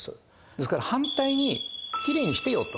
ですから反対にきれいにしてよと。